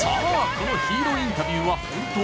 このヒーローインタビューはホント？